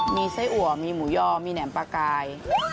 มีไส้อัวมีหมูยอมีแหม่มปลากาย